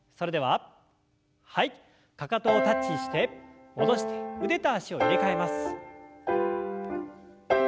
かかとをタッチして戻して腕と脚を入れ替えます。